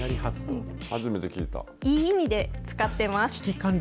いい意味で使ってます。